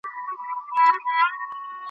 کله دومره بختور یم .